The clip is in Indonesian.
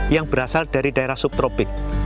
yang berasal dari daerah subtropik